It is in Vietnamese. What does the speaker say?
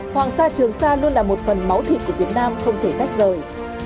hoàng sa trường sa luôn là một phần máu thịt của việt nam không thể tách rời